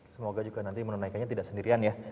semoga juga nanti menunaikannya tidak sendirian ya